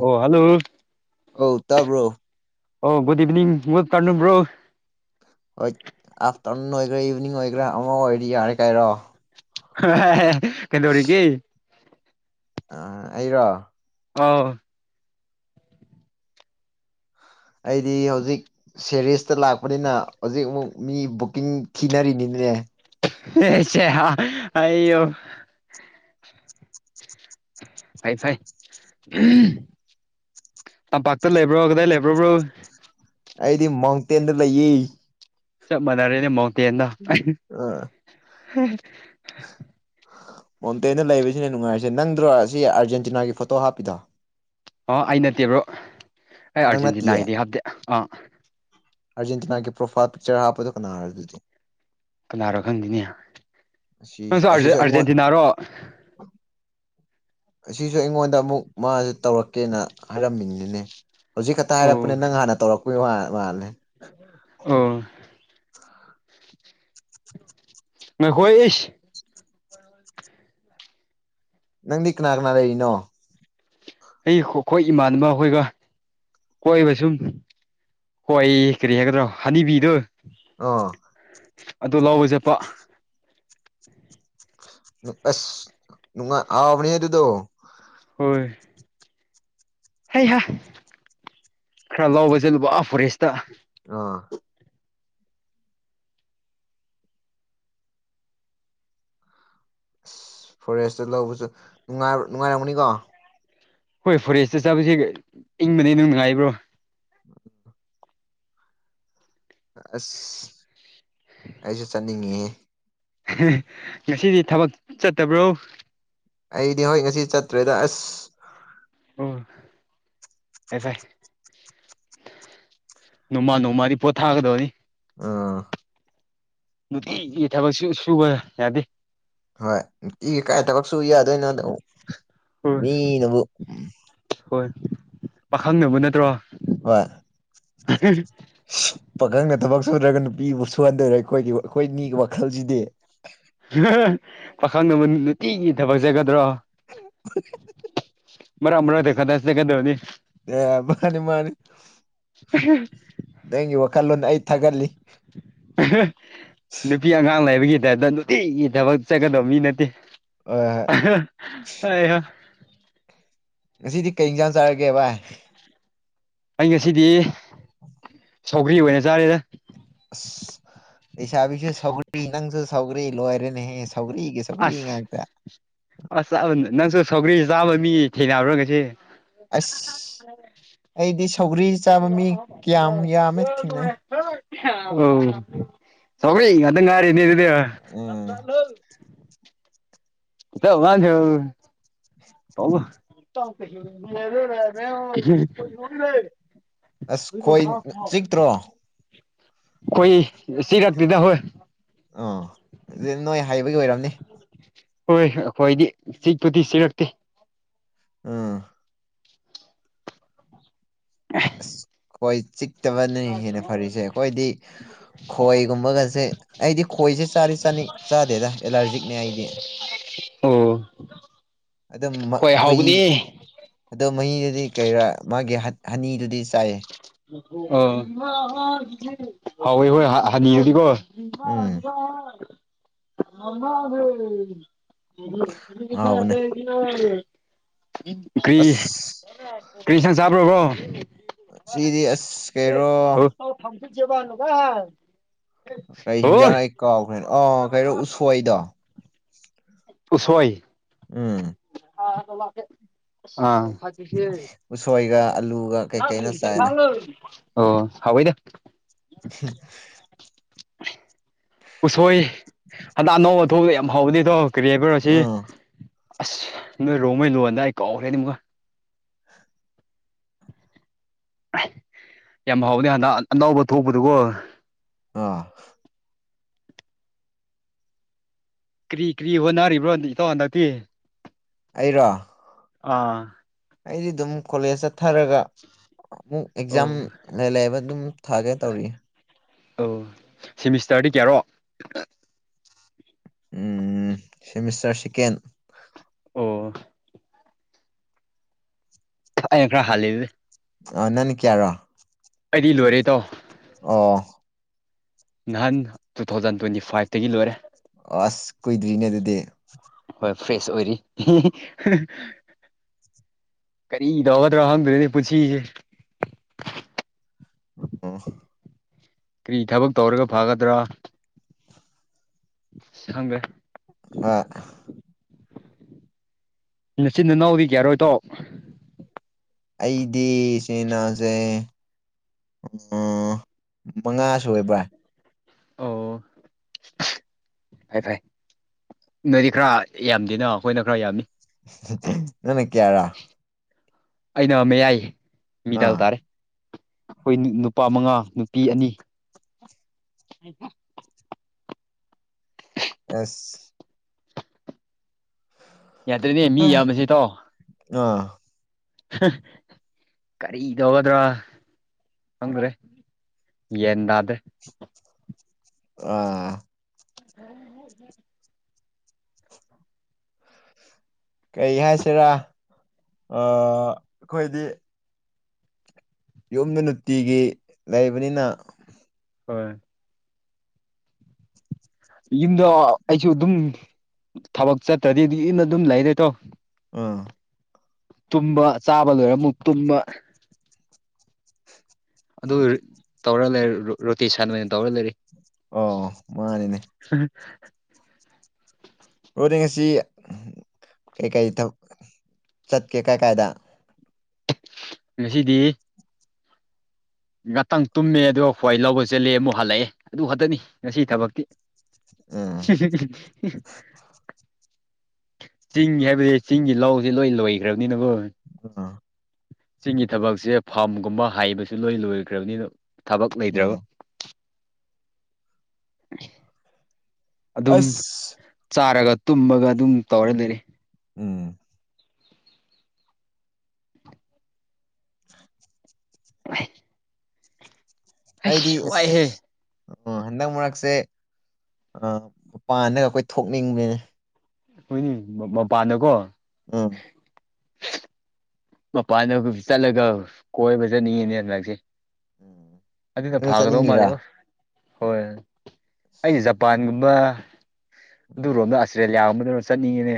ꯑꯣ ꯍꯜꯂꯣ ꯇꯕꯔꯨꯛ ꯑꯣ ꯒꯗ ꯏꯚꯅꯤꯡ ꯇꯥꯟꯅꯕ꯭ꯔꯣ ꯍꯣꯏ ꯑꯥꯐꯇꯔꯅꯨꯟ ꯑꯣꯏꯒꯦꯔꯥ ꯏꯚꯤꯅꯤꯡ ꯑꯣꯏꯒꯦꯔꯥ ꯑꯃ ꯑꯣꯏꯔ ꯌꯥꯔꯦ ꯀꯥꯏꯔꯣ ꯀꯩꯗꯧꯔꯤꯒꯤ ꯑ ꯑꯩꯔꯣ ꯑꯥꯎ ꯑꯩꯗꯤ ꯍꯧꯖꯤꯛ ꯁꯦꯔꯤꯦꯁꯇ ꯂꯥꯛꯄꯅꯤꯅ ꯍꯧꯖꯤꯛ ꯑꯃꯨꯛ ꯃꯤ ꯕꯨꯛꯀꯤꯡ ꯊꯤꯅꯔꯤꯅꯤꯅꯦ ꯁꯦ ꯍꯥ ꯑꯩꯌꯣ ꯐꯥꯏ ꯐꯥꯏ ꯑꯄꯥꯛꯥꯛꯇ ꯂꯩꯕ꯭ꯔꯣ ꯀꯗꯥꯏ ꯂꯩꯕ꯭ꯔꯣꯕ꯭ꯔꯣ ꯑꯩꯗꯤ ꯃꯥꯎꯟꯇꯦꯟꯗ ꯂꯩꯌꯦ ꯆ ꯃꯅꯔꯦꯅꯦ ꯃꯇ ꯌꯦꯅ ꯑ ꯃꯣꯟꯇꯦꯗ ꯂꯩꯕꯁꯤꯅ ꯅꯨꯡꯉꯥꯏꯔꯤꯁꯦ ꯅꯪꯗ꯭ꯔꯣ ꯁꯤ ꯑꯥꯔꯖꯦꯟꯇꯤꯅꯥꯒꯤ ꯐꯣꯇꯣ ꯍꯥꯞꯄꯤꯗ ꯑꯥ ꯑꯩ ꯅꯠꯇꯦꯕ꯭ꯔꯣ ꯑꯩ ꯅꯪ ꯅꯠꯇꯤꯌꯦ ꯑꯥꯔꯖꯦꯟꯇꯤꯅꯥꯒꯤꯗꯤ ꯍꯥꯞꯇꯦ ꯑꯥ ꯑꯥꯔꯖꯦꯟꯇꯤꯅꯥꯒꯤ ꯄ꯭ꯔꯣꯐꯥꯏꯜ ꯄꯤꯛꯆꯔ ꯍꯥꯞꯄꯗꯨ ꯀꯅꯥ ꯍꯥꯏꯔ ꯑꯗꯨꯗꯤ ꯀꯅꯥꯅꯣ ꯈꯪꯗꯅꯤ ꯑꯁꯤ ꯅꯪ ꯑꯁꯤꯁꯨ ꯑꯩꯉꯣꯟ ꯑꯥꯔꯖꯦꯟꯇꯤꯅꯥꯔꯣ ꯑꯁꯤꯁꯨ ꯑꯩꯉꯣꯟꯗ ꯑꯃꯨꯛ ꯃꯥꯁꯦ ꯇꯧꯔꯛꯀꯦꯅ ꯍꯥꯏꯔꯝꯃꯤꯅꯤꯅꯦ ꯍꯧꯖꯤꯛ ꯈꯛꯇ ꯑꯣ ꯍꯥꯏꯔꯛꯄꯅꯦ ꯅꯪ ꯍꯥꯟꯅ ꯇꯧꯔꯛꯄꯒꯤ ꯃꯥꯜꯂꯦ ꯑꯣ ꯑ ꯅꯣꯏ ꯍꯣꯏ ꯏꯁ ꯅꯪꯗꯤ ꯀꯅꯥ ꯀꯅꯥ ꯂꯩꯔꯤꯅꯣ ꯑꯩ ꯑꯩꯈꯣꯏ ꯏꯃꯥꯟꯅꯕ ꯑꯩꯈꯣꯏꯒ ꯀꯣꯏꯕ ꯁꯨꯝ ꯍꯣꯏ ꯀꯔꯤ ꯍꯥꯏꯒꯗ꯭ꯔꯣ ꯍꯅꯤꯕꯤꯗꯨꯣ ꯑꯥ ꯑꯗꯨ ꯂꯑꯣꯁꯦꯠꯄ ꯑꯁ ꯑ ꯑꯅꯤ ꯍꯥꯏ ꯑꯗꯨꯗꯣ ꯍꯣꯏ ꯍꯩꯍ ꯈꯔ ꯂꯥꯎꯕ ꯆꯠꯂꯨꯕ ꯑꯥ ꯐꯣꯔꯦꯁꯇ ꯑꯥ ꯑꯁ ꯐꯣꯔꯦꯁꯇ ꯂꯧꯕꯁꯨ ꯅꯨꯡꯉꯥꯏꯔꯝꯃꯅꯤꯀꯣ ꯍꯣꯏ ꯐꯣꯔꯦꯁꯇ ꯆꯥꯁ ꯏꯪꯕꯗꯤ ꯑꯗꯨꯝ ꯅꯨꯡꯉꯥꯏꯕ꯭ꯔꯣ ꯎꯝ ꯑꯁ ꯑꯩꯁꯨ ꯆꯠꯅꯤꯡꯉ ꯉꯁꯤꯗꯤ ꯊꯕꯛ ꯆꯠꯇꯕ꯭ꯔꯣ ꯑꯩꯗꯤ ꯍꯣꯏ ꯉꯁꯤ ꯆꯠꯇ꯭ꯔꯦꯗ ꯑꯁ ꯑꯣ ꯑꯦ ꯇꯥꯏ ꯅꯣꯡꯃꯥ ꯅꯣꯡꯃꯥꯗꯤ ꯄꯣꯠꯊꯥꯒꯗꯕꯅꯤ ꯑꯥ ꯑꯗꯨꯗꯤꯒꯤ ꯊꯕꯛ ꯁꯨꯕ ꯌꯥꯗꯦ ꯍꯣꯏ ꯏ ꯀꯥꯏ ꯊꯕꯛꯁꯨ ꯌꯥꯗ ꯑꯣꯏ ꯅꯗ ꯍꯣꯏ ꯃꯤ ꯅꯕꯨ ꯍꯣꯏ ꯄꯥꯈꯪꯅꯕ ꯅꯠꯇ꯭ꯔꯣ ꯍ ꯑ ꯄꯥꯈꯪꯅ ꯊꯕꯛ ꯁꯨꯗ꯭ꯔꯒ ꯅꯨꯄꯤꯕꯨ ꯁꯨꯍꯟꯗꯣꯏꯔꯦ ꯑꯩꯈꯣꯏꯗꯤ ꯑꯩꯈꯣꯏ ꯃꯤꯒꯤ ꯋꯥꯈꯜꯁꯤꯗꯤ ꯄꯥꯈꯪꯗꯝ ꯏꯤꯒꯤ ꯊꯕꯛ ꯆꯠꯒꯗ꯭ꯔꯣ ꯃꯔꯛ ꯃꯔꯛꯇ ꯈꯗꯥ ꯆꯠꯒꯗꯕꯅꯤ ꯑꯦ ꯃꯥꯅꯤ ꯃꯥꯅꯤ ꯑ ꯅꯪꯒꯤ ꯋꯥꯈꯜꯂꯣꯟ ꯑꯩ ꯊꯥꯒꯠꯂꯤ ꯅꯨꯡꯇꯒꯤ ꯊꯕꯛ ꯆꯠꯀꯗꯕ ꯃꯤ ꯅꯠꯇꯦ ꯑ ꯑꯍ ꯉꯁꯤꯗꯤ ꯀꯩ ꯏꯟꯁꯥꯡ ꯆꯥꯔꯒꯦ ꯚꯏ ꯑꯩ ꯉꯁꯤꯗꯤ ꯁꯧꯒ꯭ꯔꯤ ꯑꯣꯏꯅ ꯆꯥꯔꯦꯗ ꯑꯁꯕꯤꯁ ꯁꯒ ꯏꯁꯨ ꯁꯒꯔ ꯏ ꯂꯣ ꯍꯥꯏꯔꯦꯅꯦ ꯍꯦ ꯑꯁ ꯑꯁꯥ ꯅꯪꯁꯨ ꯁꯧꯒ꯭ꯔꯤꯁꯤ ꯆꯥꯕ ꯃꯤ ꯊꯦꯡꯅꯔꯨꯔꯒꯁꯤ ꯑꯁ ꯑꯩꯗꯤ ꯁꯧꯒ꯭ꯔꯤ ꯆꯥꯕ ꯃꯤ ꯀꯌꯥꯝ ꯌꯥꯝꯃꯦ ꯊꯦꯡꯅꯩ [unintelligible] ꯁꯔꯤ ꯑꯗ ꯉꯔ ꯏꯗꯤ ꯎꯝ ꯏꯗ ꯋꯥ ꯊ [unintelligible] ꯑꯁ ꯈꯣꯏ ꯆꯤꯛꯇ꯭ꯔꯣ ꯑꯩꯣꯏ ꯁꯤꯤꯔꯛ ꯂꯤꯤꯗꯥ ꯍꯣꯏ ꯑꯥ ꯑꯗꯨ ꯅꯣꯏ ꯍꯥꯏꯕꯒꯤ ꯑꯣꯏꯔꯝꯅꯤ ꯍꯣꯏ ꯑꯩꯈꯣꯏꯗꯤ ꯆꯤꯛꯄꯨꯗꯤ ꯁꯤꯔꯛꯇꯦ ꯑꯥ ꯑꯁ ꯍꯣꯏ ꯆꯤꯛꯇꯕꯅ ꯍꯦꯟꯅ ꯐꯔꯤꯁꯦ ꯑꯩꯈꯣꯏꯗꯤ ꯈꯣꯏꯒꯨꯝꯕꯒꯁꯦ ꯑꯩꯗꯤ ꯈꯣꯏꯁꯦ ꯆꯥꯔꯤ ꯆꯅꯤ ꯆꯥꯗꯦꯗ ꯑꯦꯂꯥꯔꯖꯤꯛꯅꯦ ꯑꯩꯗꯤ ꯑꯣ ꯑꯗꯨꯝ ꯍꯣꯏ ꯈꯣꯏꯍꯤ ꯍꯥꯎꯕꯅꯦ ꯑꯗꯨꯝ ꯃꯍꯤꯗꯨꯗꯤ ꯀꯩꯔꯥ ꯃꯥꯒꯤ ꯍꯅꯤꯗꯨꯗꯤ ꯆꯥꯏ ꯑꯥ ꯍꯥꯎꯋꯦ ꯍꯣꯏ ꯍꯅꯤꯡꯉꯗꯤꯀꯣ ꯎꯝ ꯏꯃꯕ ꯃꯃꯗ ꯑꯣ ꯍꯥꯎꯕꯅꯦ ꯇ ꯀꯔꯤ ꯑꯁ ꯀ꯭ꯔꯤꯁꯟ ꯆꯕ꯭ꯔꯣꯕ꯭ꯔꯣ ꯑꯁꯤꯗꯤ ꯑꯁ ꯀꯦꯔꯣ ꯖꯕꯅ ꯀꯣ ꯀꯩ ꯍꯤꯡꯖꯥꯡ ꯑꯩ ꯀꯥꯎꯈ꯭ꯔꯦ ꯑꯥ ꯀꯩꯔꯣ ꯎꯁꯣꯏꯗꯣ ꯇꯁꯣꯏ ꯎꯝ ꯎꯁꯣꯏꯒ ꯑꯂꯨꯒ ꯀꯩ ꯀꯩꯅꯣ ꯆꯥꯏꯅ [unintelligible] ꯌꯥ ꯑꯣ ꯍꯥꯎꯏꯗ [unintelligible] ꯎꯁꯣꯏ ꯍꯟꯗꯛ ꯑꯅꯧ ꯑ ꯊꯣꯛꯣꯡꯗ ꯌꯥꯝ ꯍꯧꯕꯗꯤꯗꯣ ꯀꯔꯤꯌꯥꯕ ꯑꯁꯤ ꯎꯝ ꯑꯁ ꯅꯣꯏ ꯔꯣꯡꯉꯩ ꯂꯨꯟꯗꯥ ꯑꯩ ꯀꯥꯎꯈ꯭ꯔꯦ ꯑꯗꯨꯝꯒ [inaudible] ꯌꯥꯝ ꯍꯥꯎꯅꯤ ꯍꯥꯟꯅ ꯑꯅꯕ ꯊꯣꯛꯄꯗꯨꯀꯣ ꯑꯥ ꯀ꯭ꯔꯤ ꯀ꯭ꯔꯤ ꯍꯣꯅꯔꯤꯕ꯭ꯔꯣ ꯏꯇꯧ ꯍꯟꯗꯛꯇꯤ ꯑꯩꯔꯣ ꯑꯥ ꯑꯩꯗꯤ ꯑꯗꯨꯝ ꯀꯣꯂꯦꯖ ꯆꯠꯊꯔꯒ ꯑꯃꯨꯛ ꯑꯣ ꯑꯦꯛꯖꯥꯝ ꯂꯩꯕ ꯑꯗꯨꯝ ꯊꯥꯒꯦ ꯇꯧꯔꯤ ꯑ ꯁꯤꯦꯃꯤꯁꯇꯔꯗꯤ ꯀꯌꯥꯔꯣ ꯎꯝ ꯁꯤꯃꯤꯁꯇꯔ ꯁꯤꯀꯦꯟ ꯑꯣ ꯑꯩ ꯈ ꯍꯂ ꯑ ꯅꯟ ꯀꯦꯔ ꯑꯩꯗꯤ ꯂꯣꯏꯔꯦ ꯇꯣ ꯑ ꯅꯍꯥꯟ ꯇꯨ ꯊꯥꯎꯖꯟ ꯇ꯭ꯋꯦꯟꯇꯤ ꯐꯥꯏꯚꯇꯒꯤ ꯂꯣꯏꯔꯦ ꯑꯁ ꯀ ꯗ꯭ꯅꯦ ꯑꯗꯨꯗ ꯐ꯭ꯔꯦꯁ ꯑꯣꯏꯔꯤ ꯀꯔꯤꯗꯧꯒꯗ꯭ꯔꯣ ꯍꯪꯗ꯭ꯔꯦꯅꯦ ꯄꯨꯟꯁꯤꯁꯦ ꯑ ꯀꯔꯤ ꯊꯕꯛ ꯇꯧꯔꯒ ꯐꯒꯗ꯭ꯔꯥ ꯍꯒꯦ ꯑ ꯅꯆꯤꯟꯅꯅꯥꯎꯕꯤ ꯀꯦ ꯌꯥꯔꯣꯏꯗꯣ ꯑꯩꯗꯤ ꯆꯦꯅꯥꯁꯦ ꯎ ꯃꯉꯥꯁꯨꯣꯏꯕ꯭ꯔꯥ ꯑꯣ ꯐꯥꯏ ꯐꯥꯏ ꯅꯣꯏꯗꯤ ꯈꯔ ꯌꯥꯝꯗꯦꯅ ꯑꯩꯈꯣꯏꯅ ꯈꯔ ꯌꯥꯝꯅꯤ ꯅꯅ ꯀꯦꯔꯥ ꯑꯩꯅꯃꯦ ꯌꯥꯏꯌꯦ ꯃꯤꯗꯥꯎ ꯑꯥ ꯇꯥꯔꯦ ꯑꯩꯈꯣꯏ ꯅꯨꯄꯥ ꯃꯉꯥ ꯅꯨꯄꯤ ꯑꯅꯤ ꯑꯁ ꯌꯥꯗ꯭ꯔꯦꯅꯦ ꯃꯤ ꯌꯥꯝꯕꯁꯦ ꯇꯥꯎ ꯑꯥ ꯀꯔꯤ ꯇꯧꯒꯗ꯭ꯔꯣ ꯑꯗ꯭ꯔꯦ ꯌꯦꯟꯗꯦ ꯑꯥ ꯎꯝ ꯀꯩ ꯍꯥꯏꯁꯤꯔꯥ ꯑꯩꯈꯣꯏꯗꯤ ꯌꯨꯝꯗ ꯅꯨꯡꯇꯤꯒꯤ ꯂꯩꯕꯅꯤꯅ ꯍꯣꯏ ꯌꯨꯝꯗ ꯑꯩꯁꯨ ꯑꯗꯨꯝ ꯊꯕꯛ ꯆꯠꯇ꯭ꯔꯗꯤ ꯑꯗꯨ ꯌꯟꯅ ꯑꯗꯨꯝ ꯂꯩꯔꯦ ꯇꯧ ꯑꯥ ꯇꯨꯝꯕ ꯆꯥꯕ ꯂꯣꯏꯔꯒ ꯑꯃꯨꯛ ꯇꯨꯝꯕ ꯑꯗꯨ ꯇꯧꯔ ꯂꯩ ꯔꯣꯇꯤ ꯁꯅꯕ ꯑꯣꯏꯅ ꯇꯧꯔ ꯂꯩꯔ ꯑꯣ ꯃꯥꯅꯤꯅꯦ ꯑ ꯑꯣꯗꯤ ꯉꯁꯤ ꯀꯩ ꯀꯩ ꯏ ꯊ ꯆꯠꯀꯦ ꯀꯥꯏ ꯀꯥꯏꯗ ꯁꯤꯗꯤ ꯉꯥꯛꯇꯪ ꯇꯨꯝꯃꯦ ꯑꯗꯨꯒ ꯈ꯭ꯋꯥꯏ ꯂꯧꯕ ꯆꯠꯂꯦ ꯑꯃꯨꯛ ꯍꯜꯂꯛꯑꯦ ꯑꯗꯨ ꯈꯛꯇꯅꯤ ꯉꯁꯤ ꯊꯕꯛꯇꯤ ꯎꯝ [inaudible] ꯆꯤꯡ ꯍꯥꯏꯕꯗꯤ ꯆꯤꯡꯒꯤ ꯂꯧꯁꯤ ꯂꯣꯏ ꯂꯣꯏꯈ꯭ꯔꯕꯅꯤꯅꯕꯨ ꯑ ꯆꯤꯡꯒꯤ ꯊꯕꯛꯁꯦ ꯐꯥꯔꯝꯒꯨꯝꯕ ꯍꯥꯏꯩꯕꯁꯨ ꯂꯣꯏ ꯂꯣꯏꯈ꯭ꯔꯕꯅꯤꯅ ꯊꯕꯛ ꯎꯝ ꯂꯩꯗ꯭ꯔꯕ ꯑꯗꯨꯝ ꯑꯁ ꯆꯥꯔꯒ ꯇꯨꯝꯃꯒ ꯑꯗꯨꯝ ꯇꯧꯔꯦ ꯂꯩꯔ ꯎꯝ [inaudible] [inaudible] ꯑꯩꯗꯤ ꯑꯁ ꯋꯥꯏꯍꯦ ꯑꯁ ꯑꯣ ꯍꯟꯗꯛ ꯃꯔꯛꯁꯦ ꯃꯄꯥꯟꯅꯒ ꯑꯩꯈꯣꯏ ꯊꯣꯛꯅꯤꯡꯕꯅꯦ ꯍꯈꯣꯏꯅꯤ ꯃꯄꯥꯟꯗꯀꯣ ꯎꯝ ꯃꯄꯥꯟꯗ ꯆꯠꯂꯒ ꯀꯣꯏꯕ ꯆꯠꯅꯤꯡꯉꯤꯅꯦ ꯍꯟꯗꯛꯁꯦ ꯑꯗꯨꯗ ꯅꯪꯁꯨ ꯐꯥꯒꯗꯧ ꯆꯠꯅꯤꯡꯉꯤꯔꯥ ꯃꯥꯜꯂꯦꯕ ꯍꯣꯏ ꯑꯩꯗꯤ ꯖꯄꯥꯟꯒꯨꯝꯕ ꯑꯗꯨꯔꯣꯝꯗ ꯑꯁꯔꯦꯜ ꯌꯥꯝꯕꯗꯅ ꯆꯠꯅꯤꯡꯉꯤꯅꯦ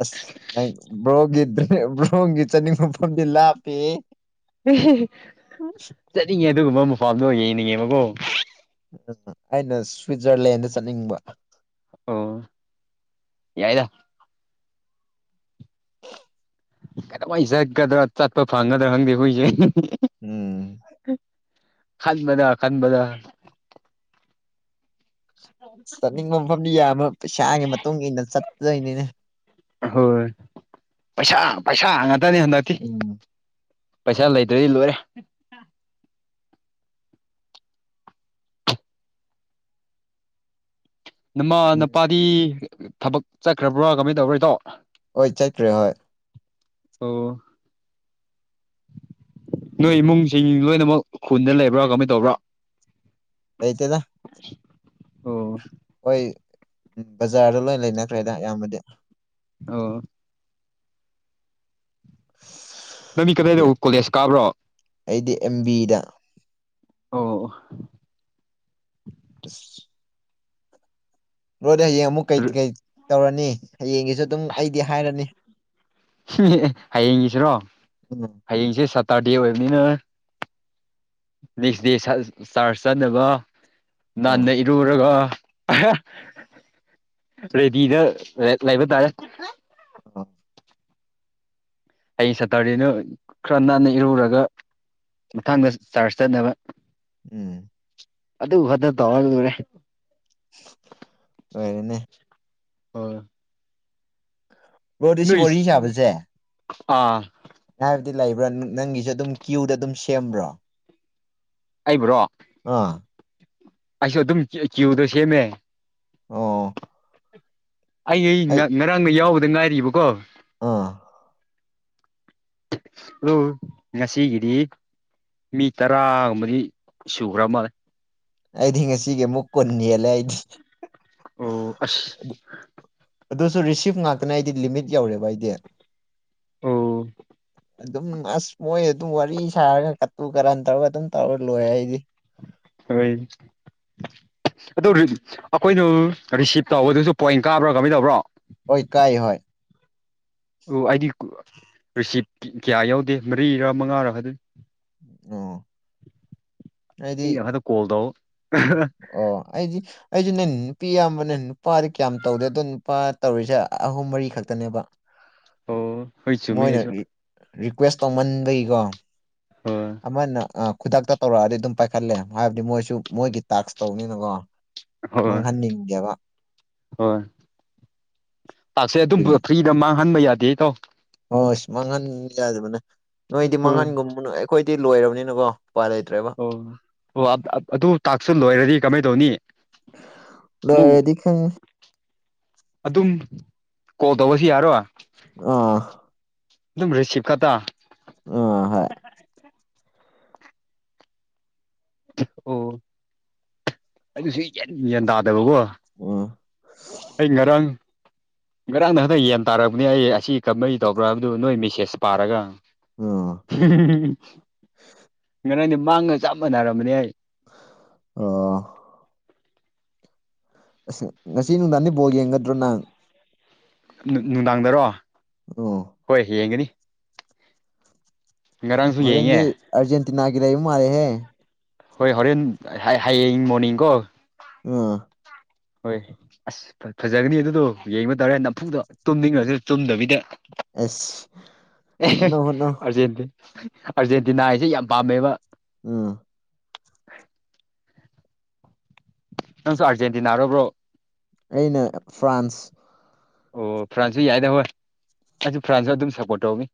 ꯑꯁ ꯅꯒꯗ꯭ꯔꯦ ꯆ ꯅꯤꯡꯗꯂ ꯍꯥꯄꯤꯦ ꯆꯠꯅꯤꯡꯉꯦ ꯑꯗꯨꯒꯨꯝꯕ ꯃꯄꯥꯥꯝꯗꯣ ꯌꯦꯡꯅꯤꯡꯉꯦꯕꯀꯣ ꯎꯝ ꯑꯩꯅ ꯁ꯭ꯋꯤꯠꯖꯔꯂꯦꯟꯗ ꯆꯠꯅꯤꯡꯕ ꯑꯣ ꯌꯥꯏꯗ ꯀ ꯆꯠꯒꯗ꯭ꯔꯥ ꯆꯠꯄ ꯐꯪꯒꯗ꯭ꯔꯥ ꯈꯪꯗꯦ ꯍꯣꯏꯁꯦ ꯎꯝ ꯈꯗꯕꯖ ꯈꯗꯕꯖ ꯆꯠꯅꯤꯡꯕ ꯃꯐꯝꯗꯨ ꯌꯥꯝꯕ ꯄꯩꯁꯥꯒꯤ ꯃꯇꯨꯡ ꯏꯟꯅ ꯆꯠꯇꯗꯣꯏꯅꯤꯅꯦ ꯍꯣꯏ ꯄꯩꯁꯥ ꯄꯩꯁꯥ ꯍ ꯉꯇꯅꯤ ꯍꯟꯗꯛꯇꯤ ꯎꯝ ꯄꯩꯁꯥ ꯂꯩꯇ꯭ꯔꯗꯤ ꯂꯣꯏꯔꯦ ꯅꯃꯥ ꯎꯝ ꯅꯄꯥꯗꯤ ꯊꯕꯛ ꯆꯠꯈ꯭ꯔꯕ꯭ꯔꯥ ꯀꯃꯥꯏꯅ ꯇꯧꯕꯣꯏꯗꯣ ꯍꯣꯏ ꯆꯠꯠꯇ꯭ꯔꯦ ꯍꯣꯏ ꯑꯣ ꯅꯣꯏ ꯏꯃꯨꯡꯁꯤꯡ ꯂꯣꯏꯅꯃꯛ ꯈꯨꯟꯗ ꯂꯩꯕ꯭ꯔꯥ ꯀꯃꯥꯏꯅ ꯇꯧꯕ꯭ꯔꯥ ꯑꯥꯏꯇꯗ ꯑꯣ ꯍꯣꯏ ꯕꯖꯥꯔꯗ ꯂꯣꯏ ꯂꯩꯅꯈ꯭ꯔꯦꯗ ꯑꯌꯥꯝꯕꯗꯤ ꯑꯣ ꯂꯝꯕꯤ ꯀꯗꯥꯏꯗ ꯑꯗꯨ ꯀꯣꯂꯦꯖ ꯀꯥꯕ꯭ꯔꯣ ꯑꯩꯗꯤ ꯑꯦꯝ ꯕꯤꯗ ꯑꯣ ꯑꯁ ꯔꯣꯗ ꯍꯌꯦꯡ ꯑꯃꯨꯛ ꯀꯩ ꯀꯩ ꯇꯧꯔꯅꯤ ꯍꯌꯦꯡꯒꯤꯁꯨ ꯑꯗꯨꯝ ꯑꯩꯗꯤ ꯍꯥꯏꯔꯅꯤ ꯍꯌꯦꯡꯒꯤꯁꯤꯔꯣ ꯎꯝ ꯍꯌꯦꯡꯁꯦ ꯁꯥꯇꯔꯗꯦ ꯑꯣꯏꯕꯅꯤꯅ ꯅꯦꯛꯁ ꯗꯦ ꯆꯥꯔꯆ ꯆꯥꯅꯕ ꯑꯥ ꯅꯟꯅ ꯏꯔꯨꯔꯒ ꯔꯦꯗꯤꯗ ꯂꯩꯕ ꯇꯥꯔꯦ ꯑ ꯑꯩ ꯁꯠꯇꯔꯤꯅ ꯈꯔ ꯅꯥꯟꯅ ꯏꯔꯨꯔꯒ ꯃꯊꯥꯡꯗ ꯆꯥꯔꯖ ꯆꯠꯅꯕ ꯎꯝ ꯑꯗꯨꯗ ꯐ ꯇꯋꯥꯔꯦ ꯍꯔꯅ ꯍ ꯕꯣꯗꯤ ꯁꯤ ꯋꯥꯔꯤ ꯁꯥꯕꯁꯦ ꯑꯥ ꯍꯥꯏꯕꯗꯤ ꯂꯩꯕ꯭ꯔꯥ ꯅꯪꯒꯤꯁꯨ ꯑꯗꯨꯝ ꯀ꯭ꯌꯨꯗ ꯑꯗꯨꯝ ꯁꯦꯝꯕ꯭ꯔꯣ ꯑꯩꯕ꯭ꯔꯣ ꯑꯥ ꯑꯩꯁꯨ ꯑꯗꯨꯝ ꯀ꯭ꯌꯨꯗꯣ ꯁꯦꯝꯃꯦ ꯑꯣ ꯑꯩ ꯉꯔꯥꯡꯒ ꯌꯥꯎꯕꯗ ꯉꯥꯏꯔꯤꯕꯀꯣ ꯑꯥ ꯍꯜꯂꯣ ꯉꯁꯤꯒꯗꯤ ꯃꯤ ꯇꯔꯥꯒꯨꯝꯕꯗꯤ ꯁꯨꯈ꯭ꯔ ꯃꯥꯜꯂꯦ ꯑꯩꯗꯤ ꯉꯁꯤꯒꯤ ꯑꯃꯨꯛ ꯀꯨꯟꯅꯤꯦꯜꯂꯦ ꯑꯩꯗꯤ ꯑꯣ ꯑꯁ ꯑꯗꯨꯁꯨ ꯔꯤꯁꯤꯞ ꯉꯥꯛꯇꯅꯦ ꯑꯩꯗꯤ ꯂꯤꯃꯤꯠ ꯌꯧꯔꯦꯕ ꯑꯩꯗꯤ ꯑꯣ ꯑꯗꯨꯝ ꯑꯁ ꯃꯣꯏ ꯑꯗꯨꯝ ꯋꯥꯔꯤ ꯁꯥꯔꯒ ꯀꯠꯇꯨ ꯀꯔꯟ ꯇꯧꯔꯒ ꯑꯗꯨꯝ ꯇꯧꯔ ꯂꯣꯏ ꯑꯩꯗꯤ ꯍꯣꯏ ꯑꯗꯨ ꯑꯩꯈꯣꯏꯅ ꯔꯤꯁꯤꯞ ꯇꯧꯕꯗꯨꯁꯨ ꯄꯣꯏꯟ ꯀꯥꯕ꯭ꯔꯣ ꯀꯃꯥꯏ ꯇꯧꯕ꯭ꯔꯣ ꯑꯣꯏ ꯀꯥꯏ ꯍ ꯑꯣ ꯑꯩꯗꯤ ꯔꯤꯁꯤꯞ ꯀꯌꯥ ꯌꯥꯎꯗꯦ ꯃꯔꯤꯔꯥ ꯃꯉꯥꯔꯥ ꯑꯗꯨ ꯑꯗꯨꯣꯏꯅꯤ ꯑꯣ ꯍꯥꯏꯗꯤ ꯑꯩꯅ ꯈꯛꯇ ꯀꯣꯜ ꯇꯧ ꯑꯣ ꯑꯩꯗꯤ ꯑꯩꯁꯨ ꯅ ꯅꯨꯄꯤ ꯑꯕꯅꯦ ꯅꯨꯄꯥꯗꯤ ꯀꯌꯥꯝ ꯇꯧꯗꯦ ꯑꯗꯣ ꯅꯨꯄꯥ ꯇꯧꯔꯤꯁꯦ ꯑꯍꯨꯝ ꯃꯔꯤ ꯈꯛꯇꯅꯦꯕ ꯑꯣ ꯍꯣꯏ ꯆꯨꯝꯃꯤ ꯃꯣꯏꯅ ꯑꯩꯁꯨ ꯔꯤꯀ꯭ꯋꯦꯁ ꯇꯧꯃꯟꯈꯩꯀꯣ ꯍꯣꯏ ꯑꯃꯅ ꯈꯨꯗꯛꯇ ꯇꯧꯔꯛꯑꯗꯤ ꯑꯗꯨꯝ ꯄꯥꯏꯈꯠꯂꯦ ꯍꯥꯏꯕꯗꯤ ꯃꯣꯏꯁꯨ ꯃꯣꯏꯒꯤ ꯇꯥꯛꯁ ꯇꯧꯕꯅꯤꯅꯀꯣ ꯍꯣꯏ ꯃꯥꯡꯍꯟꯅꯤꯡꯗꯦꯕ ꯄꯥꯛꯁꯦ ꯑꯗꯨꯝ ꯐ꯭ꯔꯤꯗ ꯃꯥꯡꯍꯟꯕ ꯌꯥꯗꯦ ꯇꯥꯎ ꯍꯣꯏꯁ ꯃꯥꯡꯍꯟ ꯌꯥꯗꯕꯅꯦ ꯅꯣꯏꯗꯤ ꯍꯣꯏ ꯃꯥꯡꯍꯟꯒꯨꯝꯕꯅꯣꯏ ꯑꯩꯈꯣꯏꯗꯤ ꯂꯣꯏꯔꯕꯅꯤꯅꯀꯣ ꯎꯄꯥꯏ ꯂꯩꯇ꯭ꯔꯦꯕ ꯑꯣ ꯑꯣ ꯑꯗꯨ ꯇꯥꯛꯁꯨ ꯂꯣꯏꯔꯗꯤ ꯀꯃꯥꯏ ꯇꯧꯅꯤ ꯑꯃꯨꯛ ꯂꯣꯏꯗꯤ ꯈꯪ ꯑꯗꯨꯝ ꯀꯣꯜ ꯇꯧꯕꯁꯤ ꯌꯥꯔꯣꯏ ꯑꯥ ꯑꯗꯨꯝ ꯔꯤꯁꯤꯞ ꯈꯠꯇ ꯑꯥ ꯍꯥꯏ ꯑꯣ ꯑꯗꯨꯁꯨ ꯌꯦꯟ ꯭ꯌꯥꯟ ꯇꯥꯗꯕꯀꯣ ꯑ ꯑꯩ ꯉꯔꯥꯡ ꯉꯔꯥꯡ ꯅ ꯍꯟꯗꯛ ꯌꯦꯟ ꯇꯥꯔꯛꯄꯅꯤ ꯑꯩ ꯑꯁꯤ ꯀꯃꯥꯏ ꯇꯧꯕ꯭ꯔꯕ ꯅꯣꯏ ꯃꯦꯁꯦꯖ ꯄꯥꯔꯒ ꯎꯝ ꯉꯔ ꯃꯥꯡꯒ ꯆꯞ ꯃꯥꯟꯅꯔꯔꯕꯅꯦ ꯑꯩ ꯑ ꯑꯁ ꯉꯁꯤ ꯅꯨꯡꯗꯥꯡꯅꯤ ꯕꯣꯜ ꯌꯦꯡꯒꯗ꯭ꯔꯣ ꯅꯪ ꯅꯨꯡꯗꯥꯡꯗꯔꯣ ꯎꯝ ꯍꯣꯏ ꯌꯦꯡꯒꯅꯤ ꯉꯔꯥꯡꯁꯨ ꯌꯦꯡꯉꯦ ꯍꯣꯔꯦꯟꯗꯤ ꯑꯔꯖꯦꯟꯇꯤꯅꯥꯒꯤ ꯂꯩꯕ ꯃꯥꯂꯦꯍꯦ ꯍꯣꯏ ꯍꯣꯔꯦꯟ ꯍꯌꯦꯡ ꯃꯣꯔꯅꯤꯡꯀꯣ ꯑ ꯍꯣꯏ ꯑꯁ ꯐꯖꯒꯅꯤ ꯑꯗꯨꯗꯣ ꯌꯦꯡꯕ ꯇꯧꯔꯦ ꯅꯝꯐꯨꯡꯗꯣ ꯇꯨꯝꯅꯤꯡꯉꯁꯨ ꯆꯨꯝꯗꯕꯤꯗ ꯑꯁ ꯍꯣꯠꯅꯧ ꯍꯣꯠꯅꯧ ꯍꯧꯖꯤꯗꯤ ꯑꯥꯔꯖꯦꯟꯇꯤꯅꯥ ꯍꯥꯏꯁꯦ ꯌꯥꯝ ꯄꯥꯝꯃꯦꯕ ꯑ ꯅꯪꯁꯨ ꯑꯔꯖꯦꯟꯇꯤꯅꯥꯔꯣꯕ꯭ꯔꯣ ꯑꯩꯅ ꯐ꯭ꯔꯥꯟꯁ ꯑꯣ ꯐ꯭ꯔꯥꯟꯁꯁꯨ ꯌꯥꯏꯗ ꯍꯣꯏ ꯑꯗꯨꯁꯨ ꯐ꯭ꯔꯥꯟꯁꯁꯨ ꯑꯗꯨꯝ ꯁꯄꯣꯔꯠ ꯇꯧꯅꯤ